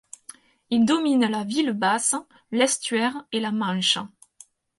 Ils dominent la ville basse, l'estuaire et la Manche.